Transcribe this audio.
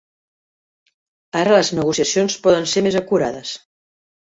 Ara les negociacions poden ser més acurades.